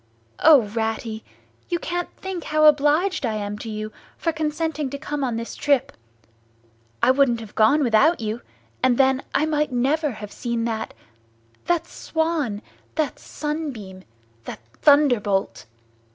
O, Ratty! You can't think how obliged I am to you for consenting to come on this trip! I wouldn't have gone without you, and then I might never have seen that—that swan, that sunbeam, that thunderbolt!